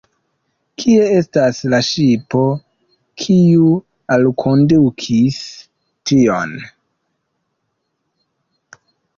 Kie estas la ŝipo, kiu alkondukis tion?